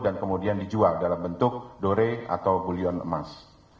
dan kemudian dijual dalam bentuk dore atau bulion emas